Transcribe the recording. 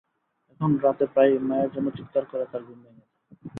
এখন রাতে প্রায়ই মায়ের জন্য চিৎকার করে তার ঘুম ভেঙে যায়।